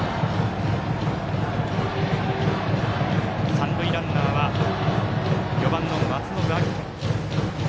三塁ランナーは４番の松延晶音。